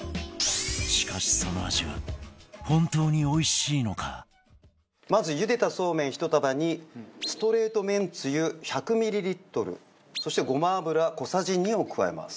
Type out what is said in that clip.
しかしその味はまずゆでたそうめん１束にストレートめんつゆ１００ミリリットルそしてごま油小さじ２を加えます。